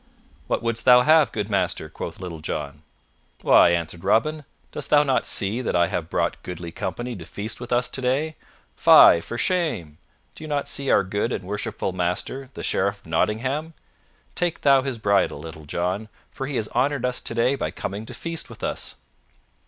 "What wouldst thou have, good master?" quoth Little John. "Why," answered Robin, "dost thou not see that I have brought goodly company to feast with us today? Fye, for shame! Do you not see our good and worshipful master, the Sheriff of Nottingham? Take thou his bridle, Little John, for he has honored us today by coming to feast with us."